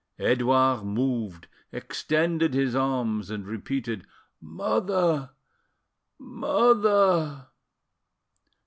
Edouard moved, extended his arms, and repeated, "Mother! ... mother!"